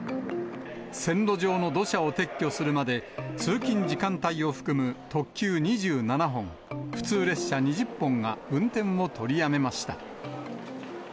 線路上の土砂を撤去するまで、通勤時間帯を含む特急２７本、普通列車２０本が運転を取りやめました。